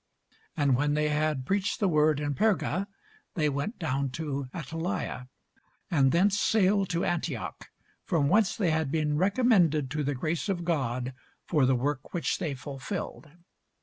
And when they had preached the word in Perga, they went down into Attalia: and thence sailed to Antioch, from whence they had been recommended to the grace of God for the work which they fulfilled.